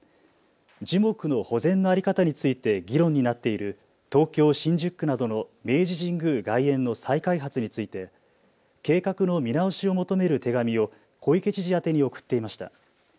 樹木の保全の在り方について議論になっている東京新宿区などの明治神宮外苑の再開発について計画の見直しを求める手紙を小池知事宛に送っていました。